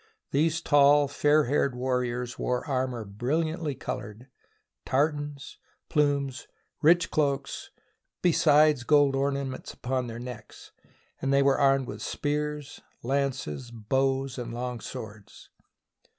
These tall, fair haired warriors wore armour bril liantly coloured, tartans, plumes, rich cloaks, besides gold ornaments upon their necks; and they were armed with spears, lances, bows, and long swords.